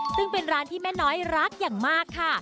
ซึ่งเป็นร้านที่แม่น้อยรักอย่างมากค่ะ